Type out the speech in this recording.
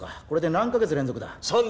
これで何カ月連続だ？